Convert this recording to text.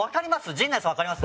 陣内さん、わかります？